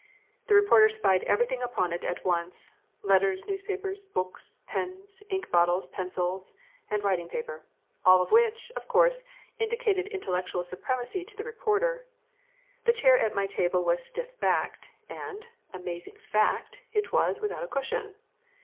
The reporter spied everything upon it at once, "letters, newspapers, books, pens, ink bottles, pencils, and writing paper." All of which, of course, indicated intellectual supremacy to the reporter. The chair at my table was "stiff backed," and, amazing fact, it was "without a cushion."